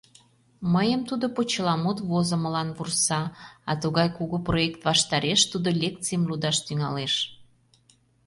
Мыйым тудо почеламут возымылан вурса, а тугай кугу проект ваштареш тудо лекцийым лудаш тӱҥалеш.